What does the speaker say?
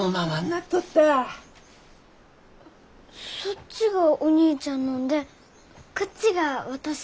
そっちがお兄ちゃんのんでこっちが私のん？